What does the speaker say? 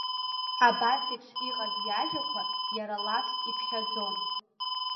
Абасеиԥш иҟаз иажәақәа иара лафс иԥхьаӡон.